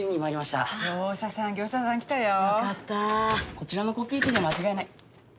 こちらのコピー機で間違いない。